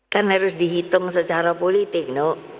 kan harus dihitung secara politik